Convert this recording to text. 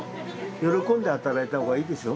喜んで働いた方がいいでしょ。